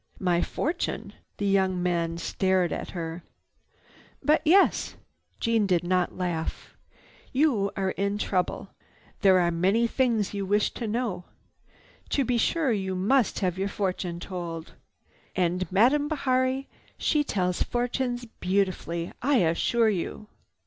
"My fortune?" The young man stared at her. "But yes!" Jeanne did not laugh. "You are in trouble. There are many things you wish to know. To be sure you must have your fortune told. And Madame Bihari, she tells fortunes beautifully, I assure you!"